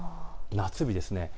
夏日です。